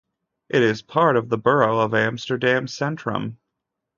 It is part of the borough of Amsterdam-Centrum.